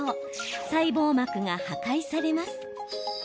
細胞膜が破壊されます。